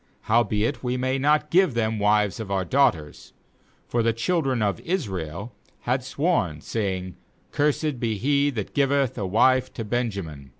18Howbeit we may not give them wives of our daughters.' For the children of Israel had sworn, saying: 'Cursed be he that giveth a wife to Benjamin.'